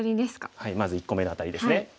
はいまず１個目のアタリですね。